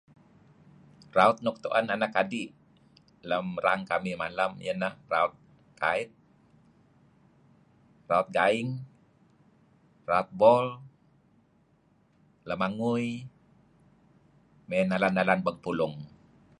Raut nuk tuen anak di' lem erang kamih malem iyeh ineh raut gaing, raut bol, lamangui, may nalan-nalan bang pulung.